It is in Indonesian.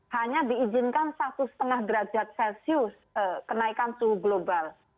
hanya diizinkan satu lima derajat celcius kenaikan suhu global